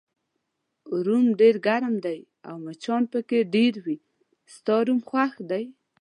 روم ډېر ګرم دی او مچان پکې ډېر وي، ستا روم خوښ دی؟